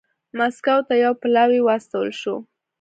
مسکو ته یو پلاوی واستول شو